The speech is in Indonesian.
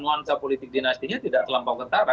nuansa politik dinastinya tidak terlampau kentara